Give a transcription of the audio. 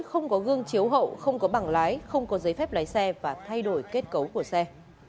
không có gương chiếu hậu không có bảng lái không có giấy phép lái xe và thay đổi kết cấu của xe